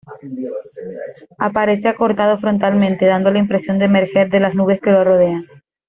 Aparece acortado frontalmente, dando la impresión de emerger de las nubes que lo rodean.